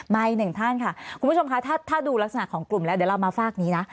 อีกหนึ่งท่านค่ะคุณผู้ชมคะถ้าดูลักษณะของกลุ่มแล้วเดี๋ยวเรามาฝากนี้นะ